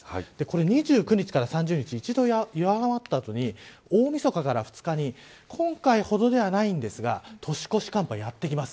２９日から３０日一度弱まった後に大みそかから２日に今回ほどではないんですが年越し寒波がやってきます。